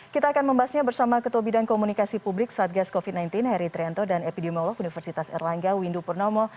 kita akan membahasnya bersama ketua bidang komunikasi publik satgas covid sembilan belas heri trianto dan epidemiolog universitas erlangga windu purnomo